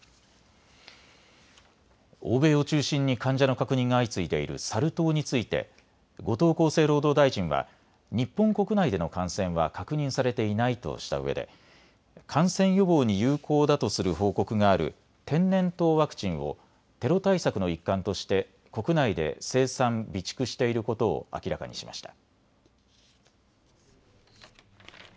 欧米を中心に患者の確認が相次いでいるサル痘について後藤厚生労働大臣は日本国内での感染は確認されていないとしたうえで感染予防に有効だとする報告がある天然痘ワクチンをテロ対策の一環として国内で生産・備蓄していることを明らかにしました。